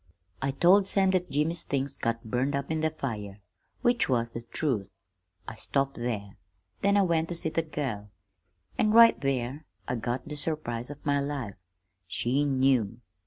"I told Sam that Jimmy's things got burned up in the fire which was the truth. I stopped there. Then I went to see the girl an' right there I got the surprise of my life. She knew.